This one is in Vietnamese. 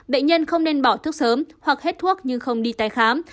bệnh nhân không nên bỏ thuốc sớm hoặc hết thuốc nhưng không đi tái khám